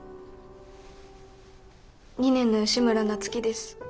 ２年の吉村なつきです。